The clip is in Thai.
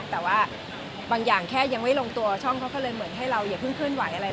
แต่ว่าบางอย่างแค่ยังไม่ลงตัวช่องเขาก็เลยเหมือนให้เราอย่าเพิ่งเคลื่อนไหวอะไร